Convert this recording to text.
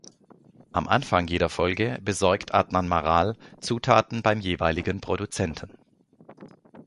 Am Anfang jeder Folge besorgt Adnan Maral Zutaten beim jeweiligen Produzenten.